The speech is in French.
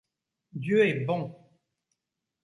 Dieu est bon!